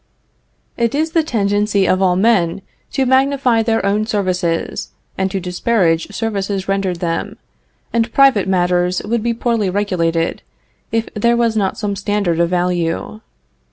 It is the tendency of all men to magnify their own services and to disparage services rendered them, and private matters would be poorly regulated if there was not some standard of value.